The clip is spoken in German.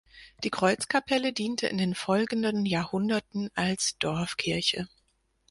Die Kreuzkapelle diente in den folgenden Jahrhunderten als Dorfkirche.